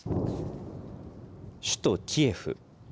首都キエフ。